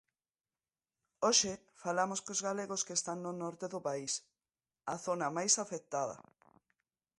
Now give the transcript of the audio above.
Hoxe falamos cos galegos que están no norte do país, a zona máis afectada.